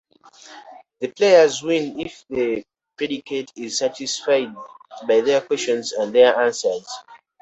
The players win if the predicate is satisfied by their questions and their answers.